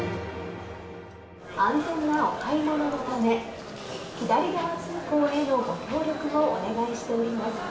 安全なお買い物のため、左側通行へのご協力をお願いしております。